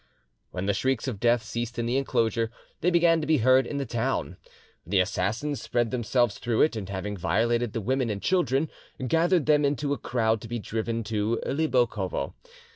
When the shrieks of death ceased in the enclosure, they began to be heard in the town. The assassins spread themselves through it, and having violated the women and children, gathered them into a crowd to be driven to Libokovo.